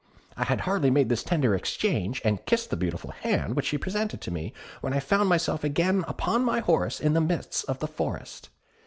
I had hardly made this tender exchange, and kissed the beautiful hand which she presented to me, when I found myself again upon my horse in the midst of the forest.